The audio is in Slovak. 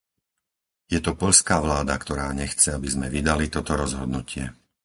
Je to poľská vláda, ktorá nechce, aby sme vydali toto rozhodnutie.